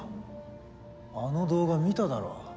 あの動画見ただろ。